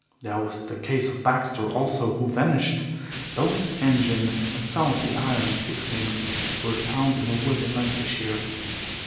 There was the case of Baxter also, who vanished, though his engine and some of the iron fixings were found in a wood in Leicestershire.